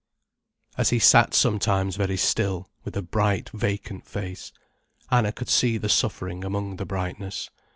As he sat sometimes very still, with a bright, vacant face, Anna could see the suffering among the brightness.